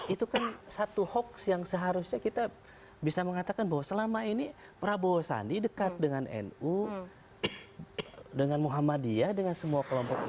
itu kan satu hoax yang seharusnya kita bisa mengatakan bahwa selama ini prabowo sandi dekat dengan nu dengan muhammadiyah dengan semua kelompok islam